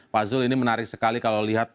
pak zul ini menarik sekali kalau lihat